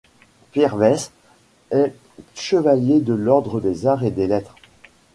Pierre Vaisse est chevalier de l'ordre des Arts et des Lettres.